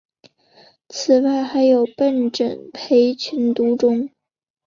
此外还有笨珍培群独中。